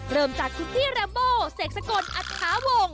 เริ่มจากคุณพี่ระโบเศกสกลอัตภาวงศ์